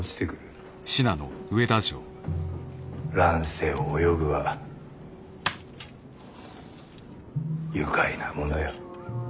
乱世を泳ぐは愉快なものよ。